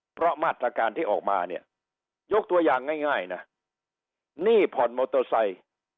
เพราะมัตต์ส่าการที่ออกมายกตัวยางง่ายวะนี่ผ่อนมอโตโซไทย